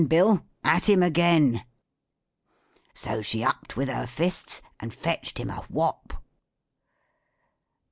Bill, at him again." " So she upped with her fists, and fetched him a whop."